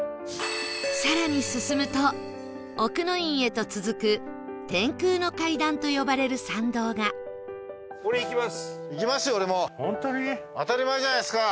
更に進むと奥の院へと続く天空の階段と呼ばれる参道が当たり前じゃないですか！